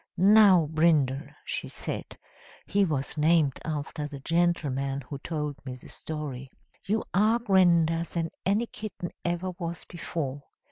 "'Now, Brindle,' she said (he was named after the gentleman who told me the story), 'you are grander than any kitten ever was before.'